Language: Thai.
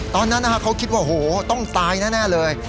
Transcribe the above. ตอนนั้นเขาคิดว่าโหต้องตายแน่เลย